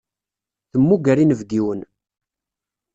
Temmuger inebgiwen.